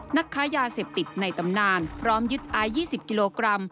นักค้ายาเสพติดในตำนานพร้อมยึดไอซ์๒๐กิโลกรัม